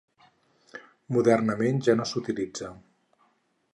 Modernament ja no s'utilitza.